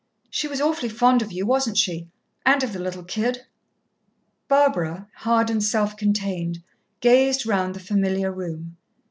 "She was awfully fond of you, wasn't she, and of the little kid?" Barbara, hard and self contained, gazed round the familiar room.